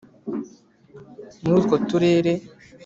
muri utwo turere